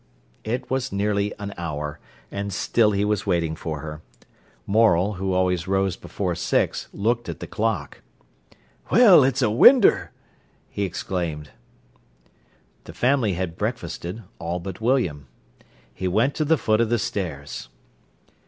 It was nearly an hour, and still he was waiting for her. Morel, who always rose before six, looked at the clock. "Well, it's a winder!" he exclaimed. The family had breakfasted, all but William. He went to the foot of the stairs.